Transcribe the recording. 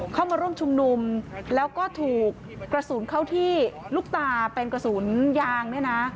เข้ามาร่วมชุมนุมแล้วก็ถูกกระสุนเข้าที่ลูกตาเป็นกระสุนยางเนี่ยนะ